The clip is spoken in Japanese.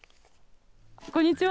こんにちは。